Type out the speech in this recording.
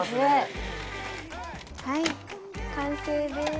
はい完成です！